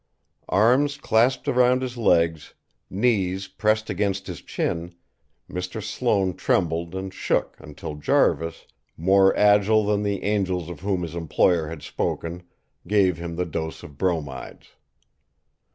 Arms clasped around his legs, knees pressed against his chin, Mr. Sloane trembled and shook until Jarvis, more agile than the angels of whom his employer had spoken, gave him the dose of bromides.